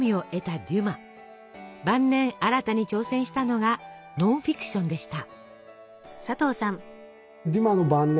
晩年新たに挑戦したのがノンフィクションでした。